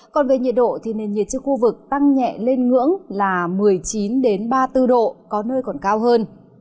còn về nhiệt độ thì nền nhiệt trên khu vực tăng nhẹ lên ngưỡng là một mươi chín ba mươi bốn độ có nơi còn cao hơn